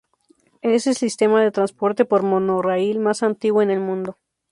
Es el sistema de transporte por monorraíl más antiguo en el mundo.